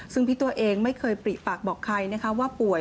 ซึ่งพี่ตัวเองไม่เคยปริปากบอกใครนะคะว่าป่วย